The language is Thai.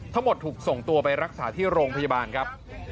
ถูกส่งตัวไปรักษาที่โรงพยาบาลครับ